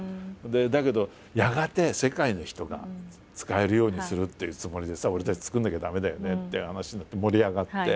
だけどやがて世界の人が使えるようにするっていうつもりでさ俺たち作らなきゃ駄目だよねっていう話になって盛り上がって。